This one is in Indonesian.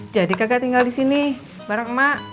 jadi kagak tinggal di sini bareng emak